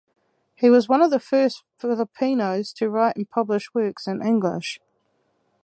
He was one of the first Filipinos to write and publish works in English.